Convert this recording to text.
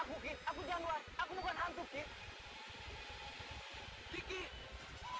aku berharap dia tidak akan berubah menjadi budak